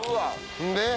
で？